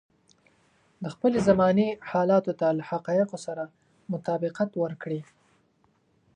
د خپلې زمانې حالاتو ته له حقايقو سره مطابقت ورکړي.